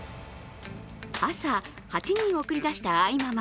朝、８人を送り出した愛ママ。